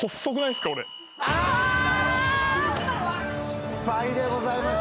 失敗でございました。